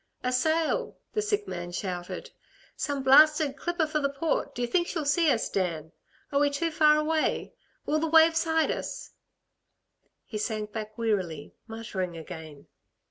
"A sail!" the sick man shouted. "Some blasted clipper for the Port, d'y' think she'll see us, Dan? Are we too far away? Will the waves hide us?" He sank back wearily, muttering again.